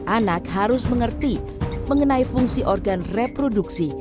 anak harus mengerti mengenai fungsi organ reproduksi